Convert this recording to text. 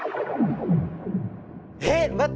えっ待って！